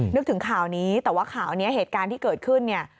นึกถึงข่าวนี้แต่ว่าข่าวนี้เหตุการณ์ที่เกิดขึ้นเนี่ย